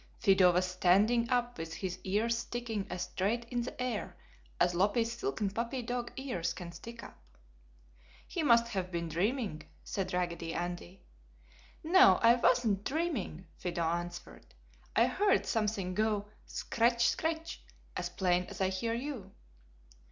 Fido was standing up with his ears sticking as straight in the air as loppy silken puppy dog ears can stick up. "He must have been dreaming!" said Raggedy Andy. "No, I wasn't dreaming!" Fido answered. "I heard something go, 'Scratch! Scratch!' as plain as I hear you!"